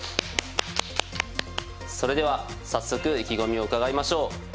それでは早速意気込みを伺いましょう。